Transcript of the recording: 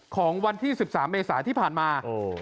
ของวันที่๑๓เมษาที่ผ่านมา